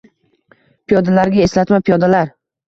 Piyodalarga eslatma Piyodalar